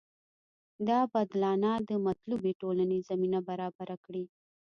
دا بدلانه د مطلوبې ټولنې زمینه برابره کړي.